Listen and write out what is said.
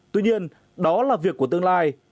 tuy nhiên đó là việc của tương lai